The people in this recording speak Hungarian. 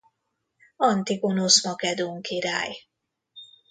Antigonosz makedón király.